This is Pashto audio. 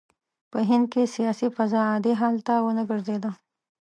په هند کې سیاسي فضا عادي حال ته ونه ګرځېده.